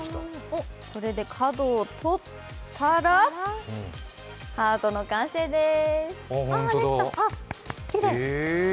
それで角を取ったらハートの完成です。